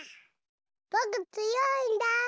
ぼくつよいんだ！